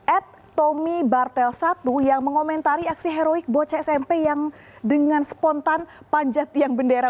at tommy bartel satu yang mengomentari aksi heroik bocah smp yang dengan spontan panjat tiang bendera